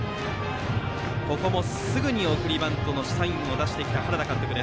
ここもすぐに送りバントのサインを出してきた原田監督。